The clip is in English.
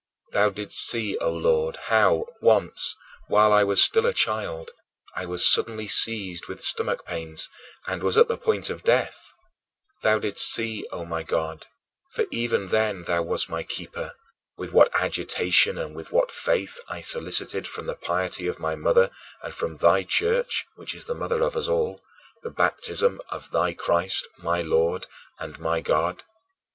Thou didst see, O Lord, how, once, while I was still a child, I was suddenly seized with stomach pains and was at the point of death thou didst see, O my God, for even then thou wast my keeper, with what agitation and with what faith I solicited from the piety of my mother and from thy Church (which is the mother of us all) the baptism of thy Christ, my Lord and my God.